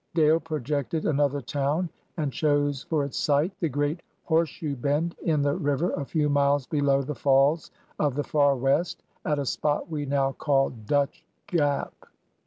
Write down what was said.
Dale projected another town, and chose for its site the great horseshoe bend in the river a few miles below the Falls of the Far West, at a spot we now call Dutch Gap.